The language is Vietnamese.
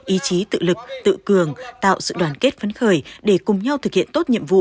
ý chí tự lực tự cường tạo sự đoàn kết phấn khởi để cùng nhau thực hiện tốt nhiệm vụ